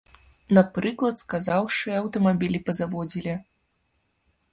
Напрыклад сказаўшы, аўтамабілі пазаводзілі.